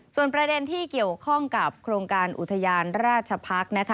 ส่วนประเด็นที่เกี่ยวข้องกับโครงการอุทยานราชพักษ์นะคะ